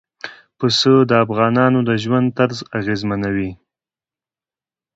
پسه د افغانانو د ژوند طرز اغېزمنوي.